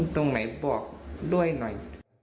ตรงไหนบอกด้วยหน่อย